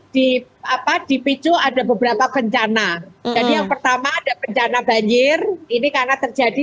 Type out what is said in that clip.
di apa di picu ada beberapa bencana jadi yang pertama ada bencana banjir ini karena terjadi